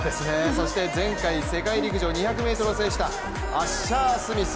そして前回世界陸上２００ｍを制した、アッシャースミス。